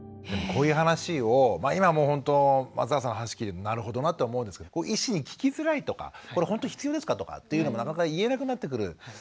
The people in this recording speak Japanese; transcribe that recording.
こういう話を今もうほんと松永さんの話聞いてなるほどなって思うんですけど医師に聞きづらいとか「これほんと必要ですか？」とかっていうのもなかなか言えなくなってくる。